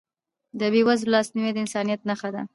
د بېوزلو لاسنیوی د انسانیت نښه ده.